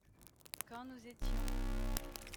Quand nous étions.